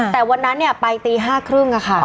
แต่วันนั้นเนี่ยไปตี๕๓๐อะค่ะ